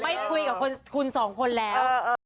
ไม่คุยกับคุณสองคนแล้ว